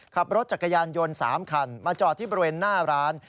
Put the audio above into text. ขับรถจักรยานยนต์๓คันมาจอดที่บริเวณหน้าร้าน